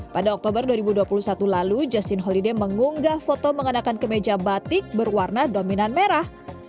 pada oktober dua ribu dua puluh satu lalu justin holiday mengunggah foto mengenakan kemeja batik berwarna dominan merah